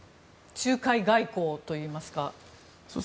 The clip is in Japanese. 仲介外交といいますか。